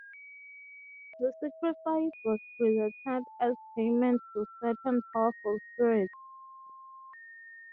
The sacrifice was presented as payment to certain powerful spirits.